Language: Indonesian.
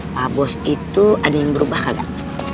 pak bos itu ada yang berubah kagak